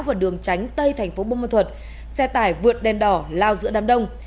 và đường tránh tây tp bông hoa thuật xe tải vượt đèn đỏ lao giữa đám đông